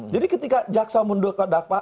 jadi ketika jaksa mendukung dakwa